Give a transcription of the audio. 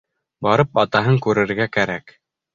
Барып атаһын күрергә кәрәк.